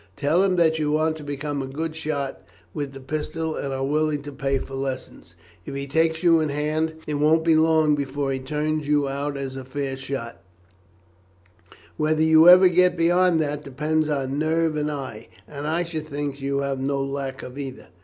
Tell him that you want to become a good shot with the pistol, and are willing to pay for lessons. If he takes you in hand it won't be long before he turns you out as a fair shot, whether you ever get beyond that depends on nerve and eye, and I should think that you have no lack of either."